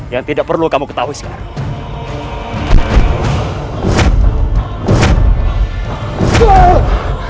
yang tidak perlu kamu ketahui sekarang